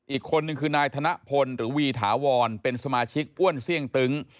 อีกคนนึงคือนายธนพลหรือวีถาวรเป็นสมาชิกอ้วนเสี่ยงตึ้ง